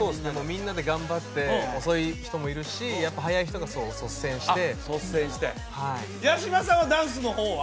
みんなで頑張って遅い人もいるしやっぱ早い人が率先して率先して八嶋さんはダンスの方は？